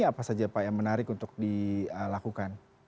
apa saja pak yang menarik untuk dilakukan